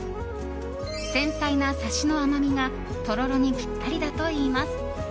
繊細なサシの甘みがとろろにぴったりだといいます。